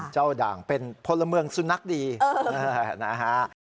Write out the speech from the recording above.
ด่างเป็นพลเมืองสุนัขดีนะฮะ